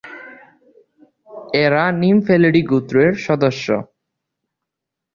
এরা ‘নিমফ্যালিডি’ গোত্রের সদস্য।